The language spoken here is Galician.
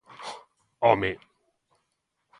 ¡Home!